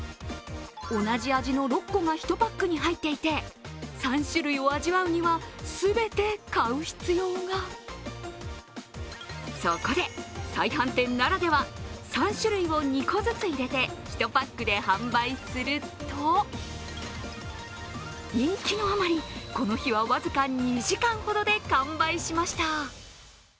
同じ味の６個が１パックに入っていて３種類を味わうには全て買う必要がそこで、再販店ならでは、３種類を２個ずつ入れて１パックで販売すると人気のあまり、この日は僅か２時間ほどで完売しました。